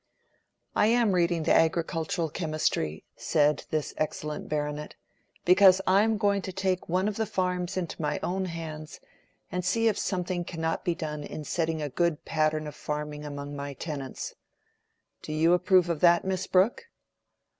"I am reading the Agricultural Chemistry," said this excellent baronet, "because I am going to take one of the farms into my own hands, and see if something cannot be done in setting a good pattern of farming among my tenants. Do you approve of that, Miss Brooke?"